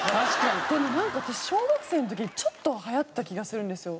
でもなんか私小学生の時ちょっとは流行った気がするんですよ。